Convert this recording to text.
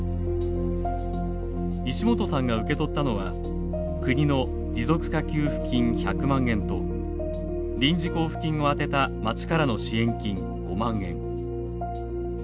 石本さんが受け取ったのは国の持続化給付金１００万円と臨時交付金をあてた町からの支援金５万円。